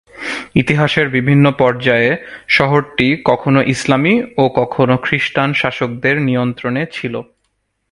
ইতিহাসের বিভিন্ন পর্যায়ে শহরটি কখনও ইসলামী ও কখনও খ্রিস্টান শাসকদের নিয়ন্ত্রণে ছিল।